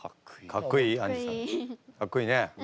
かっこいいね。